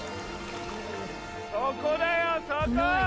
そこだよそこ！